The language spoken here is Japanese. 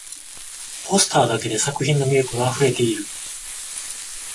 ポスターだけで作品の魅力があふれている